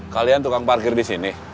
kalian tukang parkir di sini